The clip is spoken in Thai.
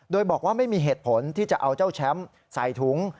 โดยบอกว่าไม่มีเหตุผลที่จะเอาเจ้าแชมป์ใส่ถุง